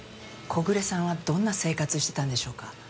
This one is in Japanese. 小暮さんはどんな生活してたんでしょうか？